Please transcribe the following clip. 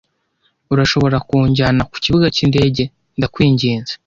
Urashobora kunjyana ku kibuga cy'indege, ndakwinginze?